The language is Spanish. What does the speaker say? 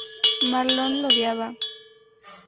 Marlon lo odiaba"".